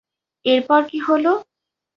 এরপর কী হলো?